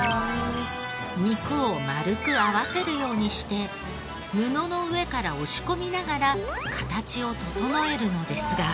肉を丸く合わせるようにして布の上から押し込みながら形を整えるのですが。